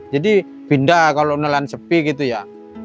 jadi pindah kalau nelayan sepi gitu ya